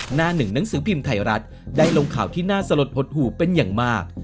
หน้าหนึ่งหนังสือพิมพ์ไทยรัฐได้ลงข่าวที่น่าสลดหดหู่เป็นอย่างมาก